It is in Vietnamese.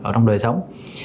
trong đời sống